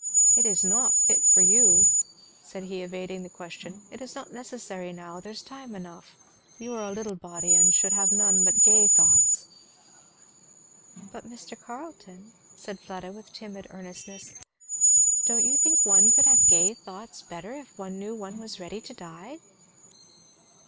"It is not fit for you," said he, evading the question, "it is not necessary now, there's time enough. You are a little body and should have none but gay thoughts." "But Mr. Carleton," said Fleda with timid earnestness, "don't you think one could have gay thoughts better if one knew one was ready to die?"